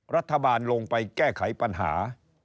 รัฐบาลลงไปแก้ไขปัญหา